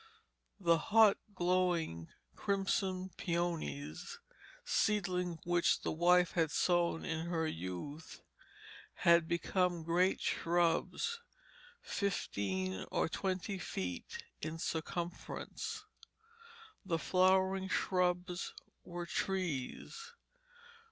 The "hot glowing" crimson peonies, seedlings which the wife had sown in her youth, had become great shrubs, fifteen or twenty feet in circumference. The flowering shrubs were trees.